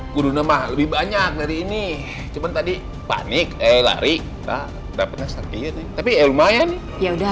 gurunya mah lebih banyak dari ini cuman tadi panik eh lari tapi lumayan nih ya udah